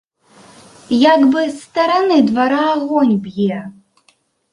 Як бы з стараны двара агонь б'е!